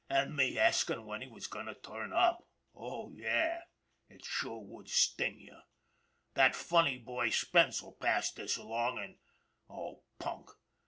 An' me askin' when he was goin' to turn up. Oh, yes, it sure would sting you! That funny boy Spence'll pass this along an' oh, punk!